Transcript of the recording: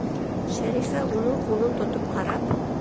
Шәрифә уның ҡулын тотоп ҡарап: